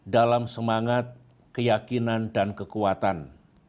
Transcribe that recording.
dalam semangat keyakinan dan kekuatan